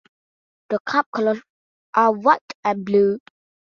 The club colours are white and blue.